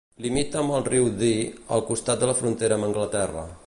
Limita amb el riu Dee, al costat de la frontera amb Anglaterra.